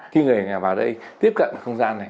khi người vào đây tiếp cận không gian này